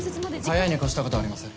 早いに越したことはありません。